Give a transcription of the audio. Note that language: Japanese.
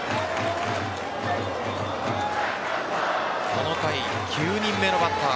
この回、９人目のバッター